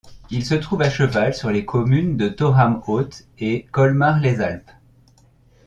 Il se trouve à cheval sur les communes de Thorame-Haute et Colmars-les-Alpes.